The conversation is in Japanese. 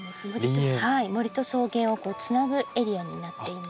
森と草原をつなぐエリアになっています。